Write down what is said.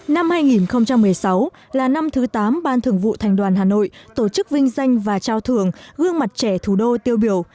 năm hai nghìn một mươi sáu là năm thứ tám ban thưởng vụ thành đoàn hà nội tổ chức vinh danh và trao thưởng gương mặt trẻ thủ đô tiêu biểu